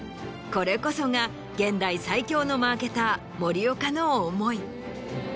これこそが現代最強のマーケター森岡の思い。